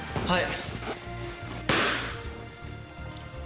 はい！